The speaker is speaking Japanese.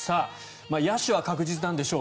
野手は確実なんでしょう。